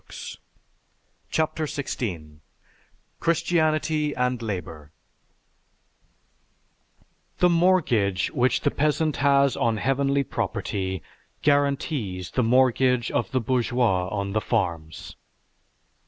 "_) CHAPTER XVI CHRISTIANITY AND LABOR _The mortgage which the peasant has on heavenly property guarantees the mortgage of the bourgeois on the farms.